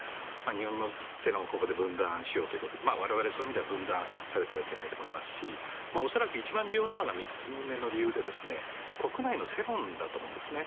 日本の世論をここで分断しようということで我々は分断されてはいけないと思いますし恐らく一番重要なのが３つ目の理由で国内の世論だと思うんです。